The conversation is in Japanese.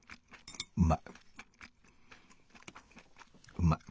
うまい。